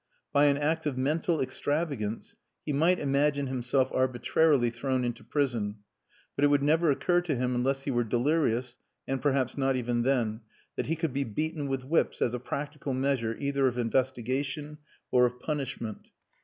By an act of mental extravagance he might imagine himself arbitrarily thrown into prison, but it would never occur to him unless he were delirious (and perhaps not even then) that he could be beaten with whips as a practical measure either of investigation or of punishment.